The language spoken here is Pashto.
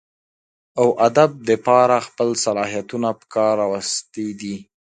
اوادب دپاره خپل صلاحيتونه پکار راوستي دي